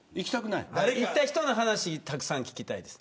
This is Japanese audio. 行った人の話たくさん聞きたいです。